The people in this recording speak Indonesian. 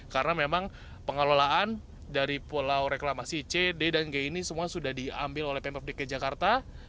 karena memang pengelolaan dari pulau reklamasi c d dan g ini semua sudah diambil oleh pemprov dki jakarta